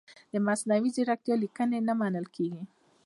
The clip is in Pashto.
د مصنوعي ځیرکتیا لیکنې نه منل کیږي.